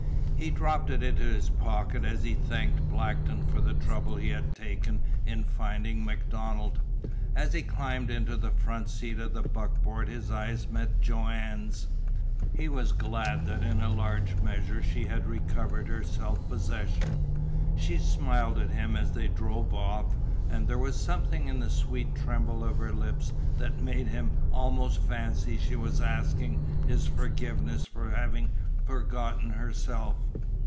He dropped it in his pocket as he thanked Blackton for the trouble he had taken in finding MacDonald. As he climbed into the front seat of the buckboard his eyes met Joanne's. He was glad that in a large measure she had recovered her self possession. She smiled at him as they drove off, and there was something in the sweet tremble of her lips that made him almost fancy she was asking his forgiveness for having forgotten herself.